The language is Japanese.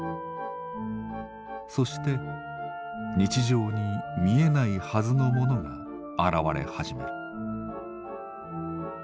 そして日常に見えないはずのものが現れ始める。